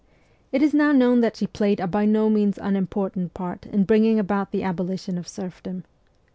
It is now known that she played a by no means unimportant part in bringing about the aboli tion of serfdom.